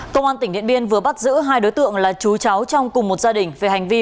công an tỉnh điện biên vừa bắt giữ hai đối tượng là chú cháu trong cùng một gia đình về hành vi